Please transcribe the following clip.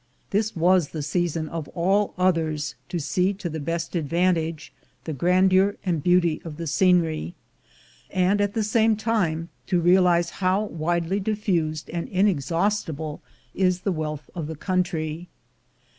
This was the season of all others to see to the best advantage the grandeur and beauty of the scenery, and at the same time to realize how v/idely diffused and inexhaustible is the wealth of the country.